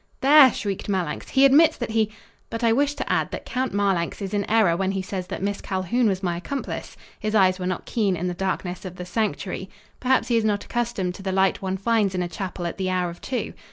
"There!" shrieked Marlanx. "He admits that he " "But I wish to add that Count Marlanx is in error when he says that Miss Calhoun was my accomplice. His eyes were not keen in the darkness of the sanctuary. Perhaps he is not accustomed to the light one finds in a chapel at the hour of two.